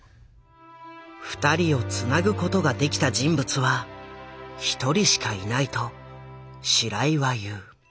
二人をつなぐことができた人物は一人しかいないと白井は言う。